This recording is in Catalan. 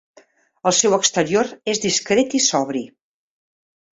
El seu exterior és discret i sobri.